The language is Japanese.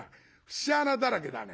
節穴だらけだね。